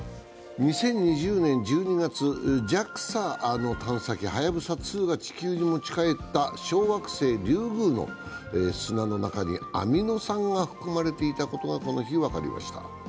２０２０年１２月、ＪＡＸＡの探査機、「はやぶさ２」が地球に持ち帰った小惑星リュウグウの砂の中にアミノ酸が含まれていたことがこの日分かりました。